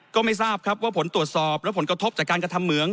ก็ไม่ทราบครับว่าผลตรวจสอบและผลกระทบจากการกระทำเหมือง